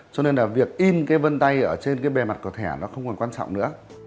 cho nên là việc in cái vân tay ở trên cái bề mặt của thẻ nó không còn quan trọng nữa